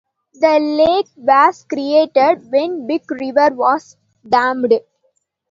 The lake was created when Big River was dammed.